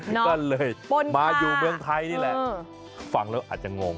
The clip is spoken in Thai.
ก็เลยมาอยู่เมืองไทยนี่แหละฟังแล้วอาจจะงง